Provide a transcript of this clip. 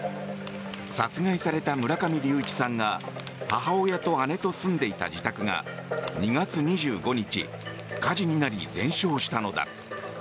殺害された村上隆一さんが母親と姉と住んでいた自宅が２月２５日、火事になり全焼したのだ。